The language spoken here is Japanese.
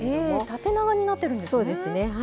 縦長になってるんですね。